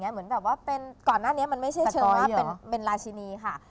เหมือนแบบว่าก่อนหน้านี้มันไม่ใช่เชิงว่าเป็นราชินีค่ะ